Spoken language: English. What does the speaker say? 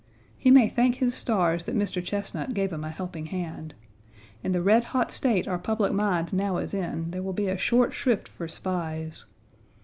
He may thank his stars that Mr. Chesnut gave him a helping hand. In the red hot state our public mind now is in there will be a short shrift for spies.